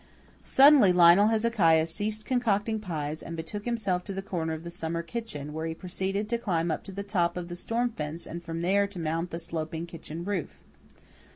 Suddenly Lionel Hezekiah ceased concocting pies, and betook himself to the corner of the summer kitchen, where he proceeded to climb up to the top of the storm fence and from there to mount the sloping kitchen roof.